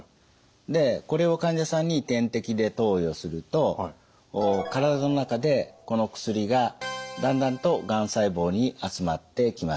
これを患者さんに点滴で投与すると体の中でこの薬がだんだんとがん細胞に集まってきます。